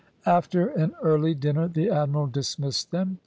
After an early dinner the admiral dismissed them.